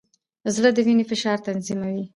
زړه د وینې فشار تنظیموي.